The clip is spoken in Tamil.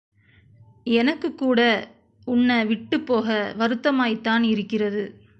எனக்குக்கூட உன்னே விட்டுப் போக வருத்தமாய்த்தான் இருக்கிறது.